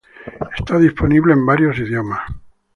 Está disponible en varios idiomas.